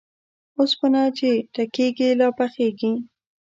اوسپنه چې ټکېږي ، لا پخېږي.